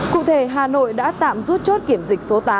cụ thể hà nội đã tạm rút chốt kiểm dịch số tám